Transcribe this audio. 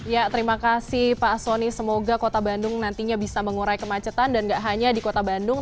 ya terima kasih pak soni semoga kota bandung nantinya bisa mengurai kemacetan dan tidak hanya di kota bandung